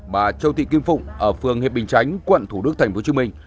bà châu thị kim phụng ở phường hiệp bình chánh quận thủ đức tp hcm